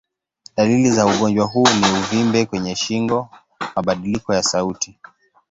Dalili za ugonjwa huu ni uvimbe kwenye shingo, mabadiliko ya sauti.